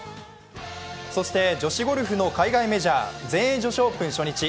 女子ゴルフの海外メジャー全英女子オープン初日。